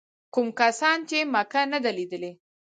کوم کسان چې مکه نه ده لیدلې.